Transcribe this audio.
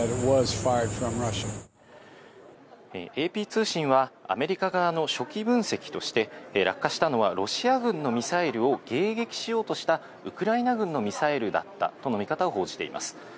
ＡＰ通信は、アメリカ側の初期分析として、落下したのはロシア軍のミサイルを迎撃しようとしたウクライナ軍のミサイルだったとの見方を報じています。